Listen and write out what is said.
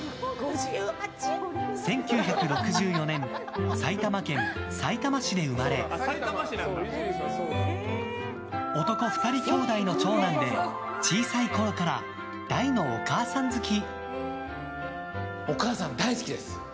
１９６４年埼玉県さいたま市で生まれ男２人兄弟の長男で小さいころから大のお母さん好き。